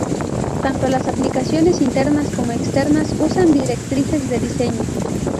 Tanto las aplicaciones internas como externas usan directrices de diseño.